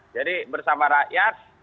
jadi bersama rakyat